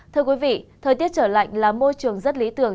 thưa quý vị thời tiết trở lạnh là môi trường rất lý tưởng